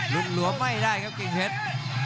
ุ่มหลวมไม่ได้ครับกิ่งเพชร